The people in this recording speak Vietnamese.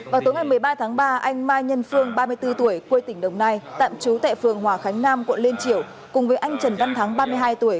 vào tối ngày một mươi ba tháng ba anh mai nhân phương ba mươi bốn tuổi quê tỉnh đồng nai tạm trú tại phường hòa khánh nam quận liên triểu cùng với anh trần văn thắng ba mươi hai tuổi